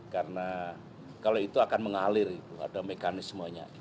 karena kalau itu akan mengalir ada mekanismenya